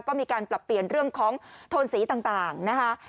ก็มีการปรับเปลี่ยนเรื่องของโทนสีต่างนะคะ